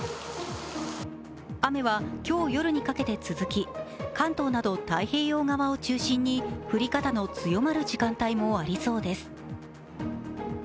雨は今日夜にかけて続き、関東など太平洋側を中心に降り方の強まる時間帯もありそうです。